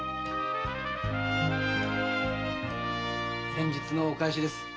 先日のお返しです。